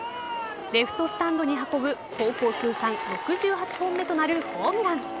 レフトスタンドに運ぶ高校通算６８本目となるホームラン。